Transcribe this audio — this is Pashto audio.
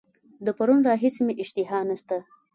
د پرون راهیسي مي اشتها نسته.